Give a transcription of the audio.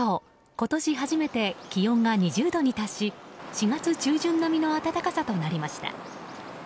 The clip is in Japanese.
今年初めて気温が２０度に達し４月中旬並みの暖かさとなりました。